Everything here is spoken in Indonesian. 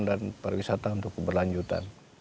dan perwisata untuk keberlanjutan